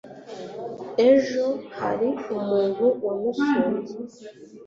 ejo hari umuntu wamusuye